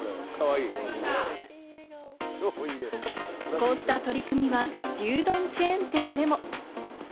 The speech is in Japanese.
こうした取り組みは牛丼チェーン店でも。